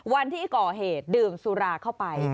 วันที่ก่อเหตุดื่มสุราเข้าไป